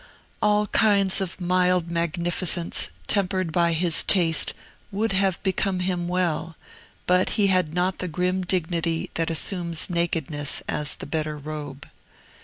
All kinds of mild magnificence, tempered by his taste, would have become him well; but he had not the grim dignity that assumes nakedness as the better robe.